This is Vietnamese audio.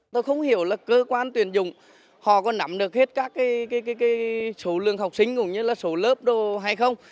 tôi không hiểu là cơ quan tuyển dụng họ có nắm được hết các số lượng học sinh cũng như là số lớp đồ hay không